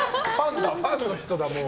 ファンの人だ、もう。